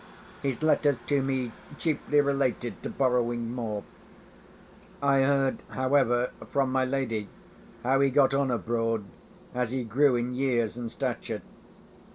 His letters to me chiefly related to borrowing more. I heard, however, from my lady, how he got on abroad, as he grew in years and stature.